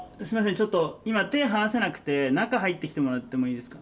ちょっと今手ぇ離せなくて中入ってきてもらってもいいですか？